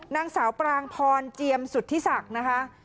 นางสาวปรางพรเจียมสุธิศักดิ์นะคะ